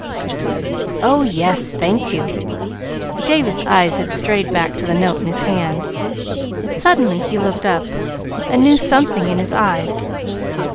"Oh, yes, thank you." David's eyes had strayed back to the note in his hand. Suddenly he looked up, a new something in his eyes.